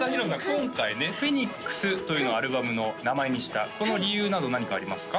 今回ね「フェニックス」というのをアルバムの名前にしたこの理由など何かありますか？